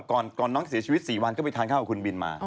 ก่อนน้องเสียชีวิต๔วันก็ไปทานข้าวกับคุณบินมา